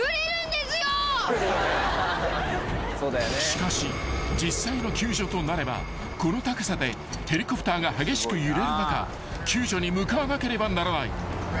［しかし実際の救助となればこの高さでヘリコプターが激しく揺れる中救助に向かわなければならない］